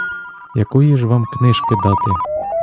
Якої ж вам книжки дати?